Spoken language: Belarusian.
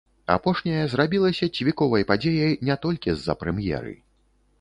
Апошняя зрабілася цвіковай падзеяй не толькі з-за прэм'еры.